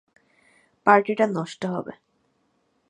Party টা নষ্ট হবে।